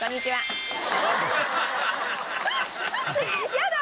やだ！